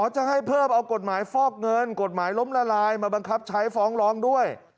จะให้เพิ่มเอากฎหมายฟอกเงินกฎหมายล้มละลายมาบังคับใช้ฟ้องร้องด้วย